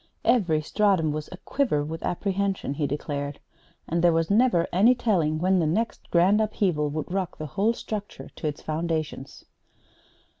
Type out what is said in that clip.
"Every stratum was aquiver with apprehension," he declared; "and there was never any telling when the next grand upheaval would rock the whole structure to its foundations."